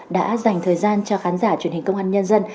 đã dành thời gian cho khán giả truyền hình công an nhân dân